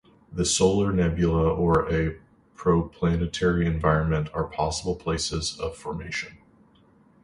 The solar nebula or a protoplanetary environment are possible places of formation.